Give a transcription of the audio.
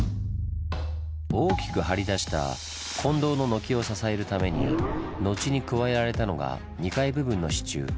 大きく張り出した金堂の軒を支えるために後に加えられたのが２階部分の支柱。